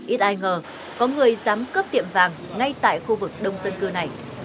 ít ai ngờ có người dám cướp tiệm vàng ngay tại khu vực đông dân cư này